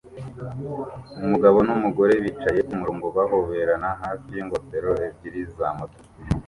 Umugabo numugore bicaye kumurongo bahoberana hafi yingofero ebyiri za moto